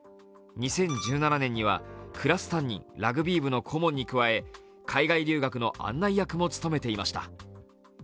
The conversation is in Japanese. ２０１７年にはクラス担任、ラグビー部の顧問に加え海外留学の案内役も務めていました。